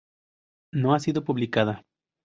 No ha sido publicada.